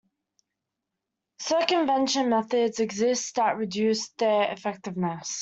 Circumvention methods exist that reduce their effectiveness.